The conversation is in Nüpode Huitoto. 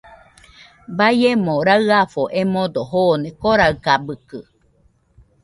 Baiemo raɨafo emodo joone Koraɨkabɨkɨ